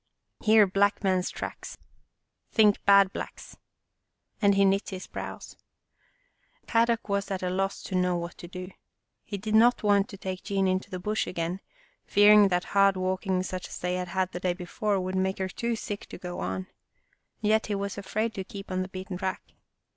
Here black man's tracks. Think bad Blacks," and he knit his brows. Kadok was at a loss to know what to do. He did not want to take Jean into the Bush again, fearing that hard walking such as they had had the day before would make her too sick to go on, yet he was afraid to keep on the beaten track.